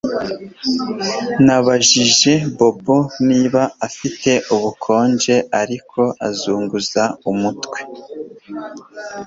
Nabajije Bobo niba afite ubukonje ariko azunguza umutwe